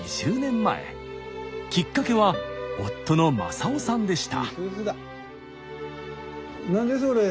きっかけは夫の正夫さんでした。